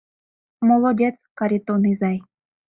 Молодец, Каритон изай!